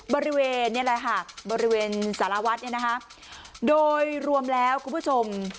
บริเวณนี่แหละค่ะบริเวณสารวัฒน์เนี่ยนะคะโดยรวมแล้วคุณผู้ชม